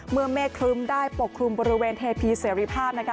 เมฆครึ้มได้ปกคลุมบริเวณเทพีเสรีภาพนะคะ